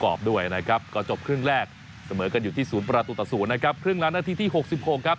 ก็จะทำกากเป็นพอรพฤตของทีมชาติไทยไปลองฟังบางตอนกันครับ